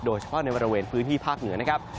โดยเฉพาะในบริเวณพื้นที่ภาคเหนือนะครับ